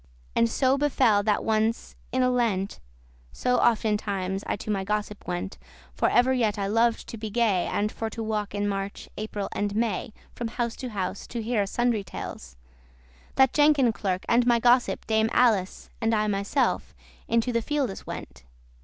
* *secret And so befell that ones in a Lent (So oftentimes I to my gossip went, For ever yet I loved to be gay, And for to walk in March, April, and May From house to house, to heare sundry tales), That Jenkin clerk, and my gossip, Dame Ales, And I myself, into the fieldes went.